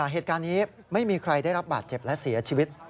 เหตุการณ์นี้ไม่มีใครได้รับบาดเจ็บและเสียชีวิต